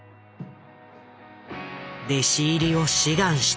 弟子入りを志願した。